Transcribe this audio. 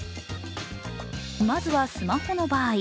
まずはスマホの場合。